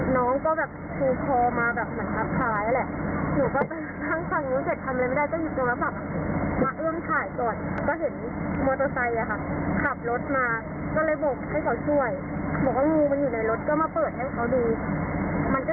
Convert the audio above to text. มันก็ยังเหนื่อยออกมาอยู่ค่ะเหนื่อยออกมาแล้วพรรณนี้